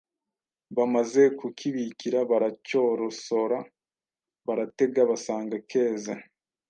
Bamaze kukibikira, baracyorosora, baratega, basanga keze.